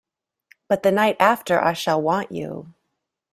But the night after I shall want you.